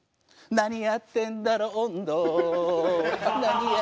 「何やってんだろ音頭」